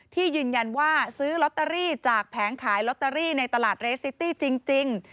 ที่ยืนยันว่าซื้อลอตเตอรี่จากแผงขายลอตเตอรี่ในตลาดเรสซิตี้จริง